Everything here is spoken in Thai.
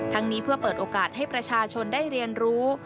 นี้เพื่อเปิดโอกาสให้ประชาชนได้เรียนรู้